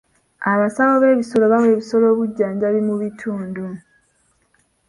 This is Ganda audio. Abasawo b'ebisolo bawa ebisolo obujjanjabi mu bitundu.